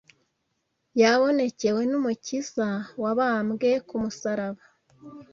yabonekewe n’Umukiza wabambwe k’ umusaraba